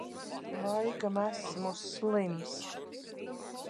Laikam esmu slims.